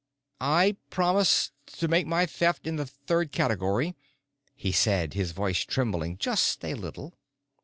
"I promise to make my theft in the third category," he said, his voice trembling just a little.